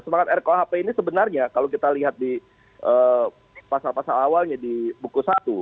semangat rkuhp ini sebenarnya kalau kita lihat di pasal pasal awalnya di buku satu